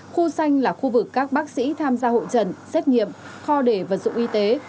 khu xanh là khu vực các bác sĩ tham gia hội trần xét nghiệm kho để vật dụng y tế